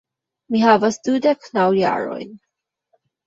Mi havas dudek naŭ jarojn.